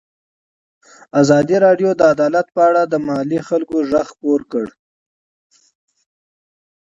ازادي راډیو د عدالت په اړه د محلي خلکو غږ خپور کړی.